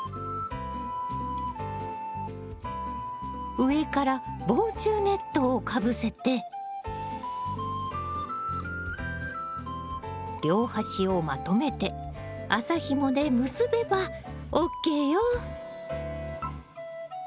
上から防虫ネットをかぶせて両端をまとめて麻ひもで結べばＯＫよ！